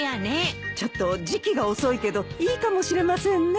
ちょっと時季が遅いけどいいかもしれませんね。